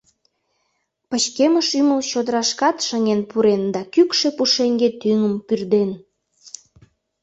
Пычкемыш ӱмыл чодырашкат шыҥен пурен да кӱкшӧ пушеҥге тӱҥым пӱрден.